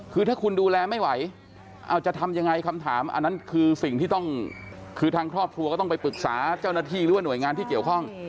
คือถ้าคุณดูแลไม่ไหวเอาจะทำยังไงคำถามอันนั้นคือสิ่งที่ต้องคือทางครอบครัวก็ต้องไปปรึกษาเจ้าหน้าที่หรือว่าหน่วยงานที่เกี่ยวข้อง